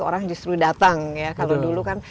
orang justru datang ya kalau dulu kan